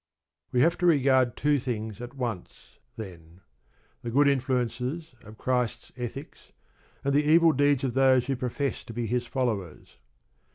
We have to regard two things at once, then: the good influences of Christ's ethics, and the evil deeds of those who profess to be His followers.